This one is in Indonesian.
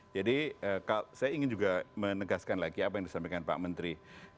saya ingin juga menegaskan lagi apa yang disampaikan pak menteri